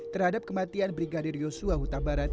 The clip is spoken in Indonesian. terhadap kematian brigadir yosua hutabarat